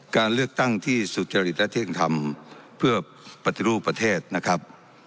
การเลือกตั้งที่สุจริตและเที่ยงธรรมเพื่อปฏิรูปประเทศนะครับ